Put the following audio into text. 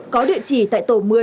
có địa chỉ tại tổ một mươi